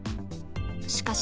しかし。